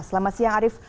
selamat siang arief